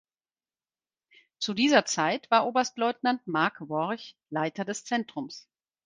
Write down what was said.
Zu dieser Zeit war Oberstleutnant Marc Worch Leiter des Zentrums.